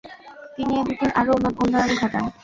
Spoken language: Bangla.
তিনি এ দুটোর আরও উন্নয়ন ঘটান।